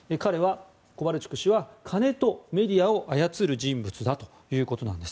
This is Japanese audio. コバルチュク氏は金とメディアを操る人物だということです。